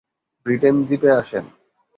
Britain দ্বীপে আসেন।